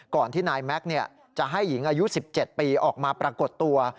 ที่นายแม็กซ์จะให้หญิงอายุ๑๗ปีออกมาปรากฏตัว